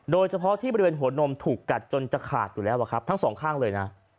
โดยเฉพาะที่บริเวณหัวนมถูกกัดจนจะขาดอยู่แล้วครับทั้งสองข้างเลยนะ